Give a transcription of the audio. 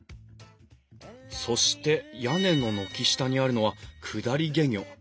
そして屋根の軒下にあるのは降り懸魚。